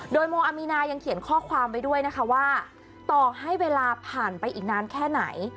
โดยโมอามีนายังเขียนข้อความไว้ด้วยนะคะว่าต่อให้เวลาผ่านไปอีกนานแค่ไหน